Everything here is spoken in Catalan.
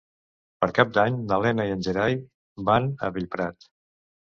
Per Cap d'Any na Lena i en Gerai van a Bellprat.